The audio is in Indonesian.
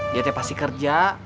dia tuh pasti kerja